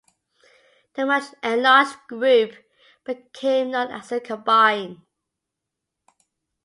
The much enlarged group became known as the Combine.